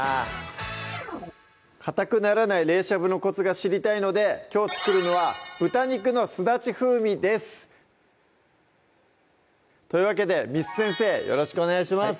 かたくならない冷しゃぶのコツが知りたいのできょう作るのは「豚肉のすだち風味」ですというわけで簾先生よろしくお願いします